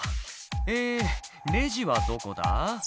「えレジはどこだ？」